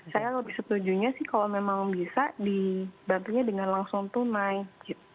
saya lebih setujunya sih kalau memang bisa dibantunya dengan langsung tunai